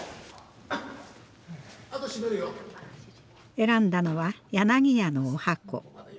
選んだのは柳家のおはこ。